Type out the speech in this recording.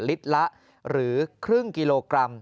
ลิตรละหรือครึ่งกิโลกรัม